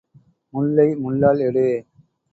முள்ளை முள்ளால் எடு.